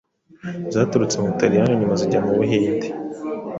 zaturutse mubutariyani nyuma zijya mu Buhinde